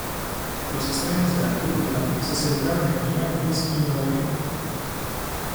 Los estrenos de la película se celebraron en Minneapolis y Nueva York.